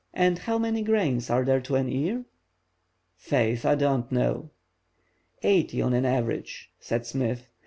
And how many grains are there to an ear?" "Faith, I don't know." "Eighty on an average," said Smith.